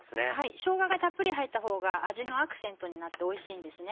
しょうががたっぷり入ったほうが味のアクセントになっておいしいんですね。